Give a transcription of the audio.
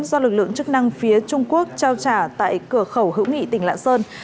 do lực lượng chức năng phía trung quốc trao trả tại cửa khẩu hữu nghị tỉnh lạng sơn